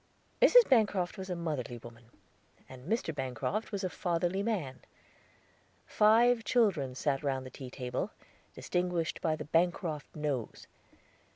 Mrs. Bancroft was a motherly woman, and Mr. Bancroft was a fatherly man. Five children sat round the tea table, distinguished by the Bancroft nose.